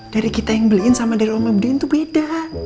dari kita yang beliin sama dari om yang beliin tuh beda